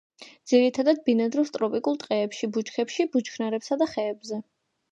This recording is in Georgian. ძირითადად ბინადრობს ტროპიკულ ტყეებში, ბუჩქებში, ბუჩქნარებსა და ხეებზე.